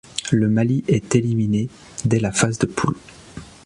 Le Mali est éliminé dès la phase de poule.